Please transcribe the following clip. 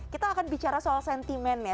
kita akan bicara soal sentimennya